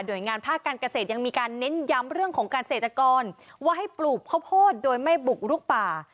โดยงานภาคการเกษตรยังมีการเน้นย้ำเรื่องของการเกษตรกรว่าให้ปลูกข้าวโพดโดยไม่บุกลุกป่า